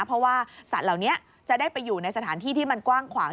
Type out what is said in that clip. เพราะว่าสัตว์เหล่านี้จะได้ไปอยู่ในสถานที่ที่มันกว้างขวาง